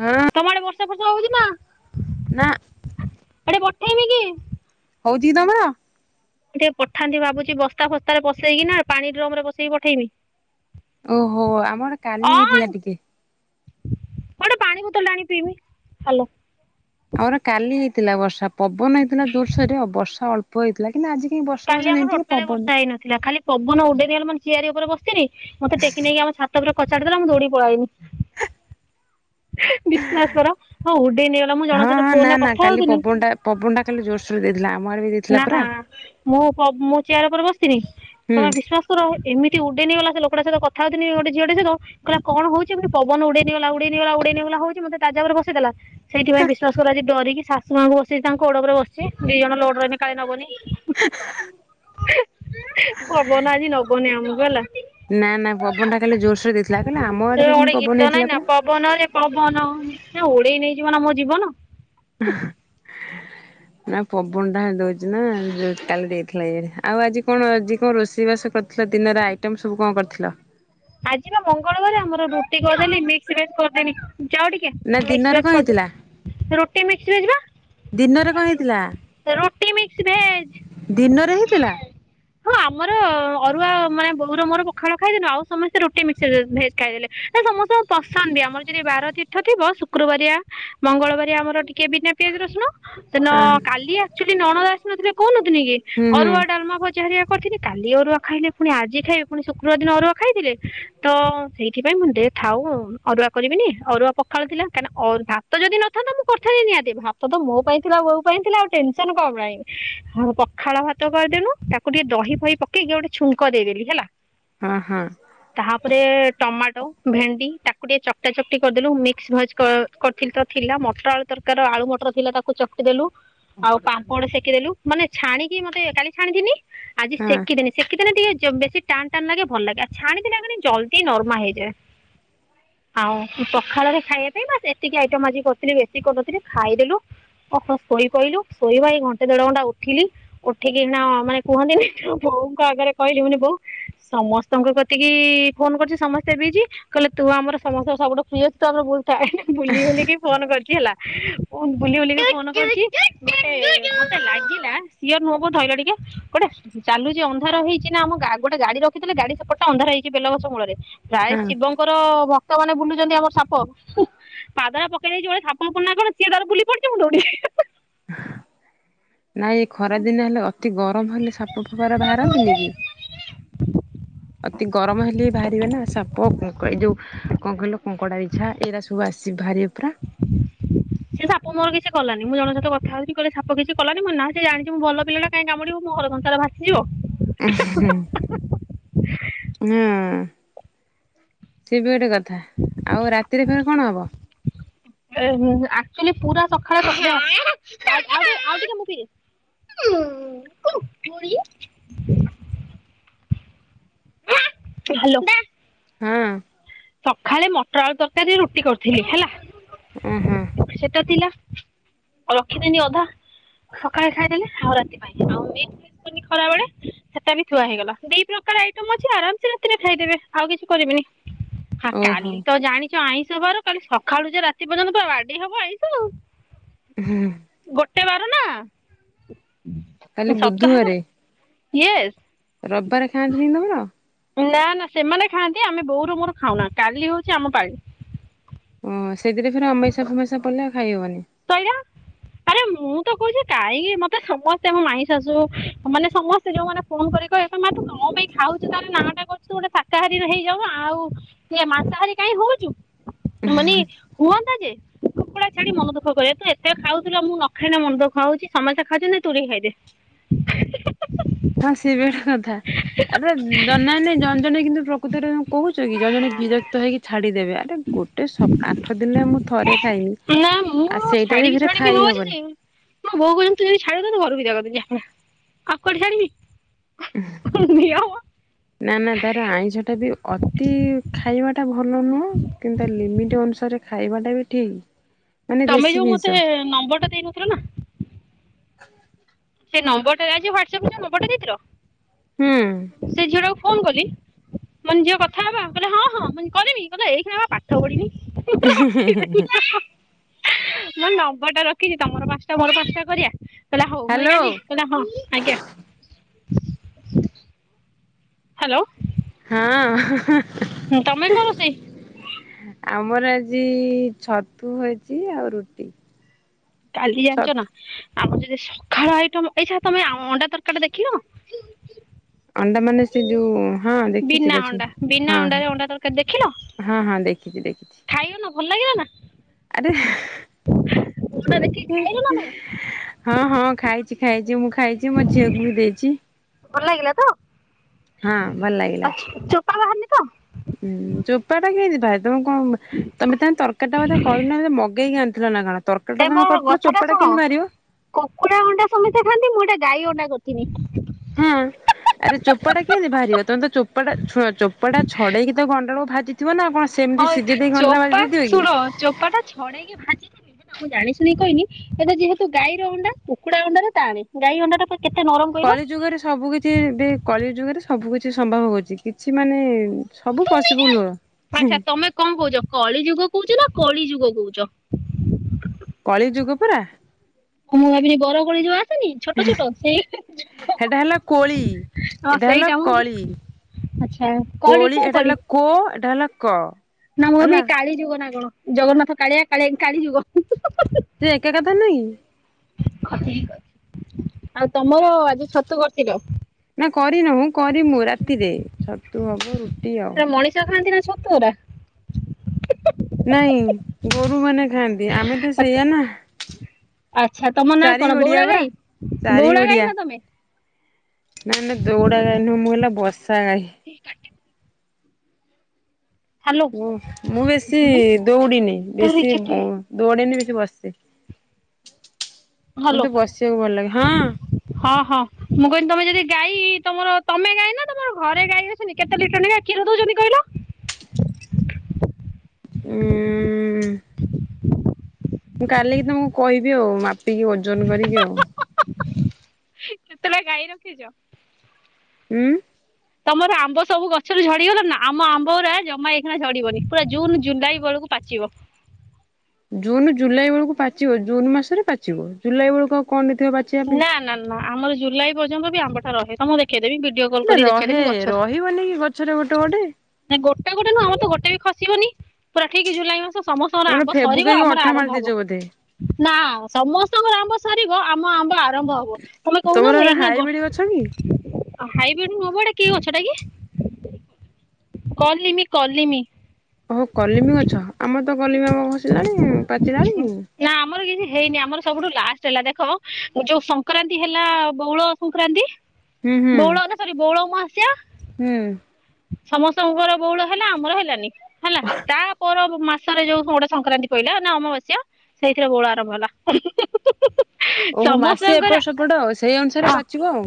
ହଁ ତମ ଆଡେ ବର୍ଷା ଫର୍ଷା ହଉଛି ନା ନା ହାଡେ ପଠେଇମି କି। ହଉଛି କି ତମର। ମୁ ଟିକେ ପଠାନ୍ତି ଭାବୁଛି, ବସ୍ତା ଫସ୍ତା ରେ ପସେଇକିନା ପାଣି ଡ୍ରମ ରେ ପସେଇକି ପଠେଇମି। ହୋ ଆମର କାଲି ହେଇଥିଲା ଟିକେ। ମା ଗୋଟେ ପାଣି ବୋତଲ ଟେ ଅନେନି ପିଇବି ହ୍ୟାଲୋ। ଆମର କାଲି ହେଇଥିଲା ବର୍ଷା, ପବନ ହେଇଥିଲା ଜୋରସୋରେ ଆଉ ବର୍ଷା ଅଳ୍ପ ପବନ ହେଇଥିଲା କିନ୍ତୁ ଆଜି କାଇଁ ବର୍ଷା ଫର୍ଷା ନାଇଁ ଟିକେ ପବନ ଥିଲା ଖାଲି ପବନ ଉଡେଇନେଇଗଲା ମାନେ ଚିଆର ଉପରେ ବସିଥିଲି ମତେ ଟେକି ନେଇକି ଆମ ଛା ଛାତ ଉପରେ କଚାଡ଼ି ଦେଲା ମୁଁ ଦୌଡ଼ି ପଳାଇଲି। [unintelligible] ବିଶ୍ଵାସ କର ହଉ ଉଡେଇ ନେଇଗଲା, ମୁଁ ହଁ ଜଣଙ୍କ ସହିତ ହଁ ନା ଫୋନରେ ନା କଥା କାଲି ହଉଥିଲି ପବନଟା ପବନଟା କାଲି ଜୋରସୋରେ ଦେଇଥିଲା [unintelligible] ଆମ ଆଡେ ବି ଦେଇଥିଲା ନା, ନା ପରା ମୁଁ ମୁଁ ଚେୟାର ଉପରେ ବସିିଥିଲି ହୁଁ। ତମେ ବି ବିଶ୍ୱାସ କର ଏମତି ଉଡେଇ ନେଇଗଲା ସେ ଲୋକଟା ସହିତ କଥା ହଉଥିଲି ଗୋଟେ ଝିଅଟେ ସହିତ କହିଲା କଣ ହଉଛି ଏମିତି ପବନ ଉଡେଇ ନେଇଗଲା ଉଡେଇ ନେଇଗଲା ଉଡେଇ ନେଇଗଲା ହଉଛି ମତେ ତାଜା ଉପରେ ବସେଇଦେଲ। ସେଇଥିପାଇଁ ବିଶ୍ୱାସକର ଆଜି ଡରିକି ଶାଶୁମାଙ୍କୁ ବସିିକି ତାଙ୍କ ଗୋଡ଼ ଉପରେ ବସିଛି ଦି ଜଣ ଲୋଡ୍ କାଳେ ନବନି [unintelligible] ପବନ ଆଜି ନବନି ଆମକୁ ହେଲା। ନା, ନା ପବନଟା କାଲି ଜୋରସେ ଦେଇଥିଲା କହିଲେ ଆମ ସେ ଆଡେ ଗୋଟେ ଗୀତ ପବନ ନାଇଁ ହେଇଥିଲା ନା ପରା ପବନରେ ପବନ ନା ଉଡେଇ ନେଇଯିବ ନା ମୋ ଜୀବନ ନା ପବନଟା ଦଉଚି ନା ଜୋରେ କାଲି ଦେଇଥିଲା ଇଆଡେ ଆଉ ଆଜି କଣ ଆଜି କଣ ରୋଷେଇବାସ କରି ଥିଲ ଦିନରେ ଆଇଟମ୍ ସବୁ କଣ କରିଥିଲ? ଆଜି ବା ମଙ୍ଗଳବାର ଆମର ରୁଟି କରିଦେଲି ମିକ୍ସଭେଜ କରିଦେଲି। ଯାଅ ଟିକେ ନା ଦିନରେ କଣ ମିକଭେଜ୍ ହେଇଥିଲା କରିଦେ ରୁଟି ମିକ୍ସଭେଜ୍ ବା ଦିନରେ କଣ ହେଇଥିଲା ରୁଟି ମିକ୍ସ ଭେଜ [unintelligible] ଦିନରେ ହେଇଥିଲା? ହଁ ଆମର ଅରୁଆ ମାନେ ବୋଉର ମୋର ପଖାଳ ଖାଇଦେଲୁ ଆଉ ସମସ୍ତେ ରୁଟି ମିକ୍ସଭେଜ୍ ଖାଇଦେଲେ ନା ସମସ୍ତଙ୍କୁ ପସନ୍ଦ ବି ଆମର ଯଦି ବାର ତୀର୍ଥ ଥିବ ଶୁକ୍ରବାରିଆ ମଙ୍ଗଳବାରିଆ ଆମର ଟିକେ ବିନା ପିଆଜ ରସୁଣ ସେଦିନ ଆଁ କାଲି ଆକ୍ଚୁଆଲି ନଣନ୍ଦ ଆସିଥିଲେ କହୁନଥିଲିକି ହୁଁ ହୁଁ ଅରୁଆ ଡାଲମା ଭଜା ପୂଜା ଘେରିକା କରିଥିଲି କାଲି ଅରୁଆ ଖାଇଲେ ପୁଣି ଆଜି ଖାଇବେ ପୁଣି ଶୁକ୍ରବାର ଦିନ ଅରୁଆ ଖାଇବେ ତ ସେଇଥିପାଇଁ ମୁଁ ଦେ ଥାଉ ଅରୁଆ କରିବିନି ଅରୁଆ ପଖାଳ ଥିଲା କାଇଁକିନା ଅ ଭାତ ଯଦି ନଥାନ୍ତା ମୁଁ କରିଥାଆନ୍ତି ନିହାତି ଭାତ ତ ମୋ ପାଇଁ ଥିଲା ବୋଉ ପାଇଁ ଥିଲା ଆଉ ଟେନସନ୍ କଣ ପାଇଁ। ହଁ ପଖାଳ ଭାତ କରିଦେଲୁ ତାକୁ ଟିକେ ଦହି ଫହି ପକେଇକି ଗୋଟେ ଛୁଙ୍କ ଦେଇଦେଲି ହେଲା। ହଁ, ହଁ ତାପରେ ଟମାଟୋ, ଭେଣ୍ଡି ତାକୁ ଟିକେ ଚକଟା ଚକଟି କରିଦେଲୁ ମିକ୍ସଭେଜ୍ କ କରିଥିଲି ତ ଥିଲା ମଟର ଆଳୁ ତରକାରୀ ଆଳୁ ମଟର ଥିଲା ତାକୁ ଚକଟି ଦେଲୁ ଆଉ ପାମ୍ପଡ ସେକିଦେଲୁ ମାନେ ଛାଣିକି ମତେ କାଲି ଛାଣିିଥିଲି। ଆଜି ହଁ ସେକିଦିନି ସେକିଦିନି ଟିକେ ବେଶୀ ଟାନ୍ ଟାନ୍ ଲାଗେ ଭଲ ଲାଗେ ଆ ଛାଣି ଛାଣିଣା କ୍ଷଣି ଜଳଦି ନର୍ମା ହେଇଯାଏ। ଆଉ ପଖାଳରେ ଖାଇବା ପାଇଁ ବାସ ଏତିକି ଆଇଟମ୍ ଆଜି କରିଥିଲି ବେଶୀ କରିନଥିଲି ଖାଇଦେଲୁ। ଆ ଶୋଇ ପଇଲୁ ଶୋଇବାଇ ଘଣ୍ଟେ ଦେଢ ଘଣ୍ଟା ଉଠିଲି ଉଠିକି ନା ମାନେ କୁହନ୍ତିନି ବୋଉଙ୍କ ଆଗରେ କହିଲି ମୁ ବୋଉ ସମସ୍ତଙ୍କ କଥା ଏତିକି ଫୋନ୍ କରୁଛି ସମସ୍ତେ ଏ ବିଜି କହିଲେ ତୁ ଆମର ସମସ୍ତେ ସବୁଠୁ୍ ଫ୍ରୀ ଅଛୁ ତୁ ଆଗ ବୁଝ୍ ଟାଏଡ୍ ବୁଲି ବୁଲିକି ଫୋନ୍ କରୁଛି ହେଲା ଫୋନ୍ ବୁଲି ବୁଲିକି ଫୋନ୍ କରଛି ମତେ ଲାଗିଲା ସିଏ ନୁହବେ ଧଇଲ ଟିକେ ଗୋଟେ ଚାଲୁଚି ଅନ୍ଧାର ହେଇଚି ନା ଆମ ଗୋଟେ ଗାଡି ରଖିଥିଲେ ଗାଡି ସେପଟ ଅନ୍ଧାର ହେଇଛି ବେଲଗଛ ମୂଳରେ ପ୍ରାୟ ହଁ ଶିବଙ୍କର ଭକ୍ତମାନେ ବୁଲୁଛନ୍ତି ଆମ ସାପ ପାଦଟା ପକେଇ ଯୋଉ ସାପ ମାପ କଣ ସିଏ ତାର ବୁଲି ପଡିିଚି ମୁଁ ଦୌଡି [unintelligible] ନାଇଁ ଏ ଖରାଦିନ ହେଲେ ଅତି ଗରମ ହେଲେ ସାପ ଫାପ ରେ ବାହାରନ୍ତିନି କି ଅତି ଗରମ ହେଲେ ବି ବାହାରିବେ ନା ସାପ ଏଇ ଯୋଉ କଣ କହିଲ କଙ୍କଡାବିଛା ଏଇରା ସବୁ ଆସି ବାହାରିବେ ପରା [unintelligible] ସେ ସାପ ମୋର କିଛି କଲାନି ମୁଁ ଜଣଙ୍କ ସହିତ କଥାହଉଛି କହିଲେ ସାପ କିଛି କଲାନି ମୁଁ ନା ସେ ଜାଣିଛି ମୁଁ ଭଲ ପିଲାଟା କାଇଁ କାମୁଡିବ ମୋ ଘର ସଂସାର ଭାସିଯିବ। [unintelligible] ହୁଁ। ସିଏ ବି ଗୋଟେ କଥା। ଆଉ ରାତିରେ ଫେଣେ କଣ ହବ? [inaudible] ଏ ହୁଁ ହୁଁ ଆକଚୁଏଲି ପୁରା ସକାଳେ [unintelligible] ଆଉ ଟି ଆଉ ଟିକେ ଆଉ ଟିକେ ମୁଁ ପିଇଦେ [unintelligible] [unintelligible] ହାଲୋ। ହୁଁ। ସଖାଳେ ମଟର ଆଳୁ ତରକାରୀ ରୁଟି କରୁଥିଲି ହେଲା। ଉଁ ହୁଁ। ସେଇଟା ଥିଲା ରଖିଦେନି ଅଧା। ସକାଳେ ଖାଇଦେଲି ଆଉ ରାତି ପାଇଁ ଆଉ ଏଇ [unintelligible] ଖାଇବନି ଖରାବେଳେ ସେଟା ବି ଥୁଆ ହେଇଗଲା ଦି ପ୍ରକାର ଆଇଟମ୍ ଅଛି ଆରାମ ସେ ରାତିରେ ଖାଇଦେବେ ଆଉ କିଛି କରିବେନି। ହା କାଲି ଓହୋ। ତ ଜାଣିଚ ଆଇଁଷ ବାର। କାଲି ସକାଳୁ ଯେ ରାତି ପର୍ଯ୍ୟନ୍ତ ବାଡେଇ ହବ ଆଇଁଷ ଆଉ। [unintelligible] ଉ ହୁଁ। ଗୋଟେ ବାର ନା। କାଲି ସପ୍ତାହରେ ବୁଧବାରେ ୟେସ୍। ରବିବାରେ ଖାନ୍ତିନିକି ତମର? ନା ନା ସେମାନେ ଖାଆନ୍ତି। ଆମେ ବୋଉର ମୋର ଖାଉନା କାଲି ହୋଉଚି ଆମ ପାଳି। ଓ ସେଥିରେ ଫେରେ ଅମେଇଷା ଫମେଇଷା ପଡିଲେ ଆଉ ଖାଇହବନି। ତୟା [unintelligible] ଆରେ ମୁଁ ତ କୋହୁଚି କାଇଁ ମତେ ସମସ୍ତେ ମୋ ମାଇଁ ଶାଶୁ ମାନେ ସମ ସ୍ତେ ଯୋଉମାନେ ଫୋନ୍ କରିକି କହିବେ ମା ତୁ କଣ ପାଇଁ ଖାଉଚୁ ତାହେଲେ ନାଁ ଟା କରୁଚୁ ସ ଶାକାହାରୀ ହେଇଯାଉନୁ ଆଉ ସେ ମାଂସାହାରୀ କାଇଁ ହୋଉଚୁ, ମାନେ ହୁଅନ୍ତା ଯେ କୁକୁଡା ଛାଡି ମନ ଦୁଃ ଖ ତୁ ଏତେ ଖାଉଥିଲୁ ମୁଁ ନଖାଇଲେ ମନ ଦୁଃଖ ହୋଉଚି। ସମସ୍ତେ ଖାଉଚନ୍ତି ତୁ ବି ଖାଇଦେ। ହଁ ସିଏ ବି ଗୋଟେ କଥା। ଆରେ ଜଣେ ଜଣେ ଜଣେ କିନ୍ତୁ ପ୍ରକୃତିରେ କୋହୁଚ କି ଜଣେ ଜଣେ ବିରକ୍ତ ହେଇକି ଛାଡିଦେବେ ଆ ଆରେ ଗୋଟେ ସପ ଆଠ ଦିନରେ ମୁଁ ଥରେ ଖାଇମି ନା ମୁଁ ଆଉ ସେଇଟା ବି ଛାଡ଼ିବି ଫେରେ ଛାଡ଼ିବି ଖାଇ ହେଉଛି ହବନି। ଯେ ମୋ ବୋଉ କୋହୁଚନ୍ତି ତୁଯଦି ଛାଡିବୁ ତତେ ଘରୁ ବିଦା କରିଦେବି ଆଉ କୁଆଡେ ଛାଡିମି। [unintelligible] ନିଅ ମ। ନା ନା ତାର ଆଇଁଷ ଟା ବି ଅତି ଖାଇବା ଟା ଭଲ ନୁହଁ କିନ୍ତୁ ତା ଲିମିଟ୍ ଅନୁସାରେ ଖାଇବାଟା ବି ଠିକ୍। ମାନେ ତମେ ଦେଶୀ ଯୋଉ ଜିନିଷ ମତେ ନମ୍ବରଟା ଦେଇନଥିଲ ନା। ସେଇ ନମ୍ବରଟାରେ ଆଜି ହ୍ୟୁଟସ‌ଆପରେ ଯୋଉ ନମ୍ବରଟା ଦେଇଥିଲ। ହୁଁ। ସେ ଝିଅଟାକୁ ଫୋନ୍ କଲି। ମୁଁ କହିଲି ଝିଅ କଥା ହବା କହିଲା ହଁ ହଁ। ମୁଁ କରିମି କହିଲା ଏଇଖିଣା ପା ପାଠ ପଢିବି। ଉହୁଁ ଉହୁଁ ହୁଁ ହୁଁ। [unintelligible] ମୋ ନମ୍ବରଟା ରଖିକି ତମର ପାଞ୍ଚଟା ମୋର ପାଞ୍ଚଟା କରିବା କହିଲା ହୋଉ ମୁଁଇଁ ହ୍ୟାଲୋ କଲିି। କହିଲା ହଁ ଆଜ୍ଞା। ହାଲୋ। ହଁ। [unintelligible] ହୁଁ ତମେ କଣ ରୋଷେଇ? ଆମର ଆଜି ଛତୁ ହେଇଚି ଆଉ ରୁଟି। କାଲି ଜାଣିଚ ଛତ୍ ନା। ଆମର ଯଦି ସକାଳ ଆଇଟମ୍ ଏଇ ଛ ତମେ ଆ ଅଣ୍ଡା ତରକାରୀ ଟା ଦେଖିନ। ଅଣ୍ଡା ମାନେ ସେ ଯୋଉ ହଁ ଦେଖିଚି ବିନା ଅଛି ଅଣ୍ଡା ବିନା ହଁ। ଅଣ୍ଡା ହଁ ତରକାରୀ ଦେଖିନ? ହଁ ହଁ ଦେଖିଚି ଦେଖିଚି। ଭଲ ଲାଗିଲା ନା? ଆରେ ହା ହଁ ହଁ ଖାଇଚି ଖାଇଚି ମୁଁ ଖାଇଚି ମୋ ଝିଅକୁ ବି ଦେଇଚି। ଭଲ ଲାଗିଲା ତ ହଁ ଚୋପା ବାହାରିନି ତ? ହୁଁ ଚୋପା ଟା କେମତି ବାହା ତମେ କଣ ତମେ ତ ତରକାରୀ ଟା ବୋଧେ କରିନା ମଗେଇକି ଆଣିଥିଲ ନା କଣ ତର ସେଇଟା ତମେ କରିଥିଲ ଚୋପା ଟା କେମିତି ବାହାରିବ। କୁକୁଡା ଅଣ୍ଡା ସମସ୍ତେ ଖାଆନ୍ତି ମୁଁ ଏଟା ଗାଈ ଅଣ୍ଡା କରିଥିନି। ହଁ ଆରେ ଚୋପାଟା କେମିତି ବାହାରିବ ତମେ ତ ଚୋପାଟା ଶୁଣ ଚୋପାଟା ଛଡେଇକି ଗଣ୍ଡାଳୁ କୁ ଭାଜି ଥିବ ନା କଣ ହଁ ସେମିତି ସିଝେଇ ଦେଇ ଗଣ୍ଡା ଭାଜି ଚୋପା ଦେଇଥିବ କି? ଶୁଣ ଚୋପା ଟା ଛଡେଇକି ଭାଜି ଥିଲି ମୁଁ ଜାଣିଶୁଣିି କହିନି ଏବେ ଯେହେତୁ ଗାଈର ଅଣ୍ଡା କୁକୁଡା ଅଣ୍ଡା ଟା ଟାଣେ ଗାଈ ଅଣ୍ଡା ଟା ପୁରା କେତେ ନରମ କହିଲ? କଳି ଯୁଗରେ ସବୁ କିଛି ବି କଳି ଯୁଗରେ ସବୁ କିଛି ସମ୍ଭବ ହଉଚି କି ଛି ମାନେ ସବୁ ପଶିବୁ ନୂଅଁ। ଆଚ୍ଛା ତମେ କଣ କହୁଚ କଳି ଯୁଗ କହୁଚ ନା କଳି ଯୁଗ କହୁଚ? କଳି ଯୁଗ ପୁରା। [unintelligible] [unintelligible] ଆଚ୍ଛା ହେଟା ହେଲା କୋଳି ଏଟା ହେଲା କଳି କଳି କୋଳି କୋଉ ଏଇଟା କଳି? ହେଲା କୋ ଏଟା ହେଲା କ। ନା ମୁଁ ଭାବେ ହେଲା କାଳି ଯୁଗ ନା କଣ ଜଗନ୍ନାଥ କାଳିଆ କାଳିଆ କାଳି ଯୁଗ। ସେଏକା କଥା ନୁହଁ କି? ଆଉ ତମର ଆଜି ଛତୁ କରିଥିଲ। ନା କରିନହୁଁ କରିମୁ ରାତିରେ ଛତୁ ହବ ରୁଟି ହବ। ସେଟା ମଣିଷ ଖାଆନ୍ତି ନା ଛତୁରା? ନାଇଁ ଗୋରୁ ମାନେ ଖାଆନ୍ତି ଆମେ ତ ସେଇଆ ନା। ଆଚ୍ଛା ତମ ନାଁ ଚାରି କଣ ଗୋଡିଆ ବଉଳା ପରା। ଗାଈ, ଚାରି ବଉଳା ଗାଈ ଗୋଡିଆ ନା ତମେ? ନା ନା ଦୌଡା ଗାଈ ନୁହଁ ମୁଁ ହେଲା ବର୍ଷା ଗାଈ। [inaudible] ହ୍ୟାଲୋ ଉଁ ମୁଁ ବେଶୀ ଦୌଡିିନି ବେଶୀ ଦୌଡ଼େଇନି ଦେଶି ବସେ, ହ୍ୟାଲୋ ମତେ ବସିବାକୁ ଭଲ ଲାଗେ ହଁ। ହଁ ହଁ ମୁଁ କହିଲି ତମେ ଯଦି ଗାଇ ତମର ତମେ ଗଈ ନା ତମର ଘରେ ଗାଇ ଅଛି। ଅଛନ୍ତି କେତେ ଲିଟ ର ନେଖା କ୍ଷୀର ଦଉଚନ୍ତି କିହିଲ? ଉଁ [inaudible] ମୁଁ କାଲିକି ତମକୁ କହିବି ଆଉ ମାପିକି ଓଜନ କରିକି ଆଉ। ଉଁ କେତଟା ଗାଈ ରଖିଚ? ଉଁ। ତମର ଆମ୍ବ ସବୁ ଗଛରୁ ଝଡିଗଲା ନା ଆମ ଆମ୍ବା ଜମା ଏଇଖାନା ଝଡିବନି ପୁରା ଜୁନ ଜୁଲାଇ ବେଳକୁ ପାଚିବ। ଜୁନ୍‌ ଜୁଲାଇ ବେଳକୁ ପାଚିବ ଜୁନ ମାସରେ ପାଚିବ, ଜୁଲାଇ ବେଳକୁ ଆଉ କଣ ଥିବ ପାଚି ନାଁ ନାଁ ନା ଆମର ଜୁଲାଇ ପର୍ଯ୍ୟନ୍ତ ବି ଆମ୍ବ ଟା ରହେ ତମକୁ ଦେଖେଇଦେବି ଭିଡିଓ କଲ୍ ଏଁ କରି ରହେ ଦେଖେଇଦେବି ରହିବନି କି ଗଛରେ ଗୋଟେ ଗୋଟେ। ନାଁ ଗୋଟା ଗୋଟା ନୁହଁ ଆମର ତ ଗୋଟେ ବି ଖସିବନି ପୁରା ଠିକ ଜୁଲାଇ ମାସ ସମସ୍ତ ତମର ସରିବ ଫେବୁକେଇକି ଆମର ଅଠା ମାରି ଆରମ୍ଭ ଦେଇଛ ହବ। ବୋଧେ ନାଁ ସମସ୍ତଙ୍କର ଆମ୍ବ ସରିବ ଆମ ଆମ୍ବ ଆରମ୍ଭ ହବ। ତମେ ତମର କହୁନ ଏରା ଏଇଖିନା ଗଣ ହାଇବ୍ରିଡ ଗଛ କି? ହାଇବ୍ରିଡ ନୁହଁ ମଁ ଏଟା କି ଗଛ ଟା କି କଲିମି କଲିମି। ଓହୋ କଲିମି ଗଛ ଆମର ତ କଲିମି ଆମ୍ବ ଖସିଲାଣି ପାଚିଲାଣି। ନାଁ ଆମର କିନ୍ତୁ କିଛିହେଇନି ଆମର ସବୁଠୁଁ ଲାଷ୍ଟ ହେଲା ଦେଖ ଯୋଉଁ ସଂକ୍ରାନ୍ତି ହେଲା ବଉଳ ସଂକ୍ରାନ୍ତି। ହୁଁ ହୁଁ ବଉଁଳ ନାଁ ସରି ବଉଁଳା ଅମାବାସ୍ୟା ହୁଁ। ସମସ୍ତଙ୍କ ଘର ବଉଁଳ ହେଲା ଆମର ହେଲାନି ହେଲା ତାପର ମାସ ଥରେ ଯୋଉଁ ଗୋଟେ ସଂକ୍ରାନ୍ତି ପହିଲା ନାଁ ଅମାବାସ୍ୟା ସେଇଥିରେ ବୋଉଁଳ ଆରମ୍ଭ ହେଲା। ହୁଁ ହୁଁ ହୁଁ ହୁଁ ଓ ହୋ ମାସେ ଏପଟ ସେପଟ ସେଇ ଅନୁସାରେ ହଁ ପାଚିବ ଆଉ।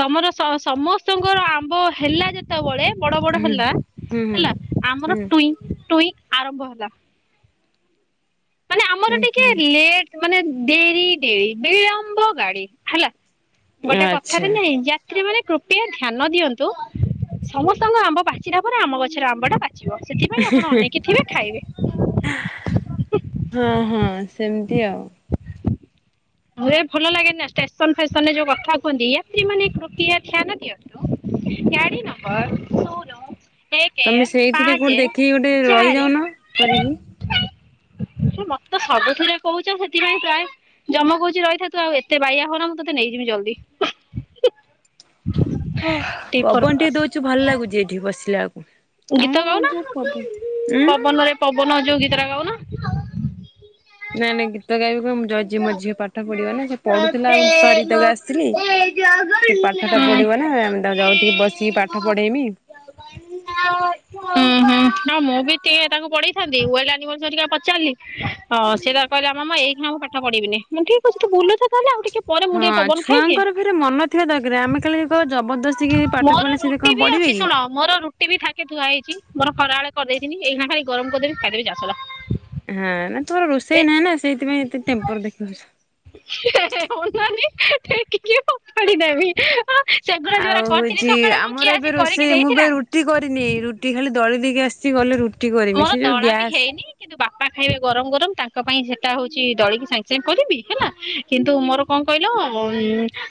ତମର ସ ସମସ୍ତଙ୍କର ଆମ୍ବ ହେଲା ଯେତେ ସେତେବେଳେ ବଡ ବଡ ହୁଁ ହେଲା ହୁଁ ହୁଁ ହେଲା ଆମର ହୁଁ ଟୁଇଁ ଟୁଇଁ ଆରମ୍ଭ ହେଲା। ମାନେ ଆମର ଉଁ ଟିକେ ହୁଁ। ଲେଟ ମାନେ ଡେରି ଡେରି ବିଳମ୍ବ ଗାଡି ହେଲା। ଗୋଟେ ଆଚ୍ଛା କଥାରେ ନାଇଁ ଯା ଯାତ୍ରିମାନେ କୃପେୟା ଧ୍ୟାନ ଦିଅନ୍ତୁ ସମସ୍ତଙ୍କ ଆମ୍ବ ପାଚିଲା ପରେ ଆମ ଗଛରେ ଆମ୍ବ ଟା ପାଚି ପଚିବ। ସେଥିପାଇଁ ଆପଣ ଅନେଇକି ଥିବେ ଖାଇବେ। ଓଁ ହଁ ସେମତି ଆଉ। [unintelligible] ପୁରା ଭଲ ଲାଗେ ନାଁ ଷ୍ଟେସନ ଫେସନ ରେ ଯୋଉଁ କଥା କୁହନ୍ତି ୟାତ୍ରୀ ମାନେ କ୍ରିପେୟା ଧ୍ୟାନା ଦିଅନ୍ତୁ- ଗଡି ନମ୍ବର ସୁନୁ- ଏକ ତମେ ସେଇଥିରେ କୋଉଠି ପାଞ୍ଚେ ଦେଖିକି ଗୋଟେ ଚାରି- ରହିଯାଉନ କରିକି। ମୋତେ ତ ସବୁଥିରେ କହୁଛ ସେଥିପାଇଁ ପ୍ରାୟ- ଯମ କହୁଛି ରହିଥା ତୁ ଆଉ ଏତେ ବାଇଆ ହୋନା ମୁଁ ତୋତେ ନେଇଯିବି ଜଲଦି। ଅଁହଁ ପବନ ଟିକେ ଦଉଛୁ ଭଲ ଲାଗୁଛି ଏଠି ବସିଲା ବେଳକୁ। ଗୀତ ଗାଉନା ପବନରେ ପବନ ଯୋଉଁ ଗୀତଟା ଗାଉନା। ନାଇଁ ନାଇଁ ଗୀତ ଗାଇବି କଣ ମୋ ଝିଅ ପାଠ ପଢିବ ନାଁ ସେ ଜଗନ୍ନାଥ ପଢୁଥିଲା ମୁଁ ପା ଗୀତ ପ୍ରେମ ଗାସ- ଆସିଲି ଏ ସେ ପାଠ ଟା ପଢିବ ଜଗନ୍ନାଥ ନାଁ ମୁଁ ତାକୁ ଯାଉଛି ଟିକେ ବସିକି ପ୍ରେମ ପାଠ ପଢେଇମି। ଜଗନ୍ନାଥ ହୁଁ ହୁଁ ହଁ ମୁଁ ବି ଟିକେ ତାଙ୍କୁ ପଢେଇଥାନ୍ତି ୱାଲେଆନିମ୍ଲସ ହେରିକା ପଚାରିଲି- ହଁ ସେତାର କହିଲା ମାମା ଏଇଖିଣା ମୁଁ ପାଠ ପଢିବିନି ମୁଁକହିଲି ଠିକ ଅଛି ତୁ ବୁଲୁଥା ତାହେଲେ ଆଉ ଟିକେ- ପରେ ମୁଁ ହଁ ଟିକେ ପବନ ଖାଇଦିଏ ଛୁଆଙ୍କର ଫରେ ମନ ଥିବା ଦରକାର ଆମେ କାଲି ଜବରଦସ୍ତି କି ପାଠ ମୋର ପଢେଇଲେ ସେ ରୁଟି କଣ ବି ପଢିବେ ଅଛି କି? ଶୁଣ ମୋର ରୁଟି ବି ଥାକେ ଥୁଆ ହେଇଛି ମୋର ଖରାବେଳେ କରିଦେଇଥିଲି ଏଇକ୍ଷିଣା ଖାଲି ଗରମ କରିଦେବି ଖାଇଦେବୁ ଯା ସଇଲା। ହାଁ ନାଁ ତୁମର ଏ ରୋଷେଇ ନାହିଁ ନାଁ ସେଇଥିପାଇଁ ଏତେ ଟେମ୍ପର ଦେଖଉଛୁ। ହେଃ ହେଃ ଅନାନି ହେଃ ଟେକିକି ଫୋପାଡି ଦେବି ହାଁ। ସେଗୁଡ଼ା ଆଉ ଯୋଉଗୁରା କରିଥିଲି ହଉଛି ସକାଳେ କଣ ଆମର କିଏ? ଏବେ ଆସି ରୋଷେଇ କରିକି ମୁଁ ଏବେ ଦେଇଥିଲା। ରୁଟି କରିନି ରୁଟି ଖାଲି ଦଳି ଦଳି ଦେଇକି ଆସିଛି ଗଲେ ରୁଟି କରିମି ମୋର ସେ ଯୋଉଁ ଦଳା ବି ଗ୍ୟାସ। ହେଇନି କିନ୍ତୁ ବାପା ଖାଇବେ ଗରମ ଗରମ ତାଙ୍କ ପାଇଁ ସେଟା ହଉଛି ଦଳିକି ସାଙ୍ଗେ ସାଙ୍ଗେ କରିବି ହେଲା। କିନ୍ତୁ ମୋର କଣ କହିଲ ଉଁ ମଁ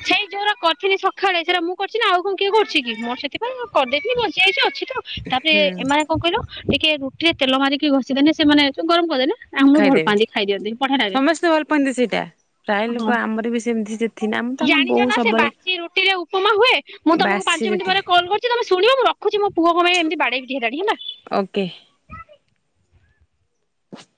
ଠେଇଁ ଯୋଉରା କରି କରିଥିଲି ସଖାଳେ ସେଇରା ମୁଁ କରିୁଛି ନାଁ ଆଉ କଣ କିଏ? କରୁଛି କି ମୋର ସେଥିପାଇ କରିଦେଇଥିଲି ବଞ୍ଚିଯାଇଛି ଅଛିତ ଆଉଁ। ତାପରେ ଏମାନେ କଣ କହିଲ ଟିକେ ରୁଟିରେ ତେଲ ମାରିକି ଘଷିଦେଲେ ସେମାନେ ଗରମ କରିଦେଲେ- ଆମର ଭଲ ଖାଇଦେବି। ପାଆନ୍ତି ଖାଇଦିଅନ୍ତି ବଢିଆ ଲାଗେ। ସମସ୍ତେ ଭଲ ପାଆନ୍ତି ସେଇଟା ପ୍ରାୟ ଅ ହଁ ଲୋକ ଆମର ବି ସେମିତି ଥିଲା ଆମ ତ ଆମ ଜାଣିଚ ବୋଉ ନା ସେ ସବୁବେଳେ ବାସି ରୁଟିରେ ଉପମା ହୁଏ? ମୁଁ ତମକୁ ବାସି ପାଞ୍ଚ ମିନଟି ପରେ ରୁଟିରେ କଲ କରୁଚି ତମେ ଶୁଣିବ ମୁଁ ରଖୁଚି ମୋ ପୁଅ କଣ ପାଇଁ ଏମତି ବାଡ଼େଇି ପିଟି ହେଲାଣି ହେଲା। ଓକେ। [unintelligible]